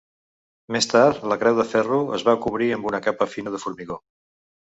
Més tard, la creu de ferro es va cobrir amb una capa fina de formigó.